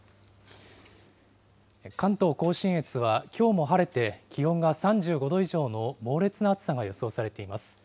関東甲信越はきょうも晴れて、気温が３５度以上の猛烈な暑さが予想されています。